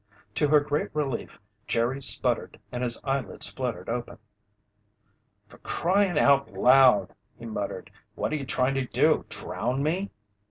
To her great relief, Jerry sputtered and his eyelids fluttered open. "For crying out loud!" he muttered. "What you trying to do? Drown me?"